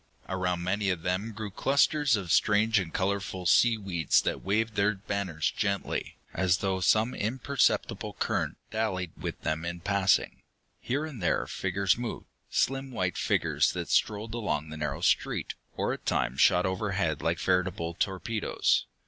Around many of them grew clusters of strange and colorful seaweeds that waved their banners gently, as though some imperceptible current dallied with them in passing. Here and there figures moved, slim white figures that strolled along the narrow street, or at times shot overhead like veritable torpedoes.